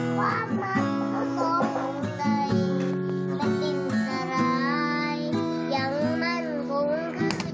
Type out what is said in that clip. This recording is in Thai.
คว้าหัวเหล่าที่เข้ามาซึมก็เคยกินมากกว่าสุดที่